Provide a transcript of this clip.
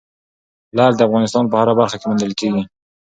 لعل د افغانستان په هره برخه کې موندل کېږي.